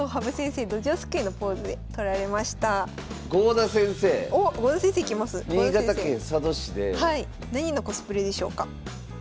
なにのコスプレでしょうか。